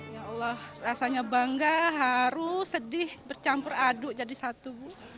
ya allah rasanya bangga harus sedih bercampur aduk jadi satu